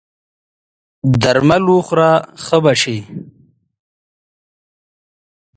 درمل وخوره ښه به سې!